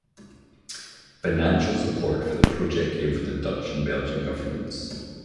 Financial support for the project came from the Dutch and Belgian governments.